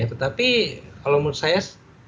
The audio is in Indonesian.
tetapi kalau menurut saya